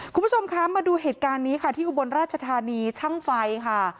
คุณผู้ชมคะมาดูเหตุการณ์นี้ค่ะที่อุบลราชธานีช่างไฟค่ะ